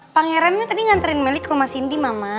pangerannya tadi nganterin meli ke rumah cindy mama